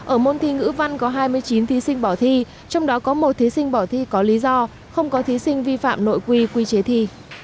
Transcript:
ở môn thi ngữ văn có hai mươi chín thí sinh bỏ thi trong đó có một thí sinh bỏ thi có lý do không có thí sinh vi phạm nội quy quy chế thi